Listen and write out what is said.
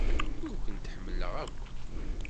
Ur kent-ḥemmleɣ akk.